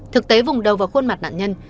thực tế vùng đầu và khuôn mặt nạn nhân